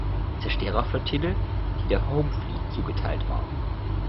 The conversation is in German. Zerstörerflottille, die der Home Fleet zugeteilt war.